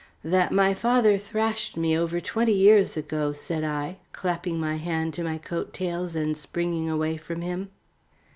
"That my father thrashed me over twenty years ago," said I, clapping my hand to my coat tails and springing away from him.